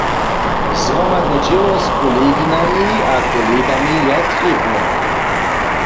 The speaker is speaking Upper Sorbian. Zhromadne dźěło z koleginami a kolegami je trěbne.